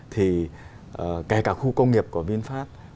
thì kể cả khu công nghiệp của vinfast